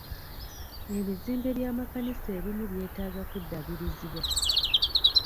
Ebizimbe by'amakanisa ebimu byetaaga kuddaabirizibwa.